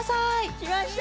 きました！